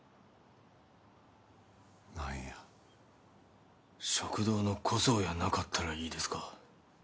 何や食堂の小僧やなかったらいいですか？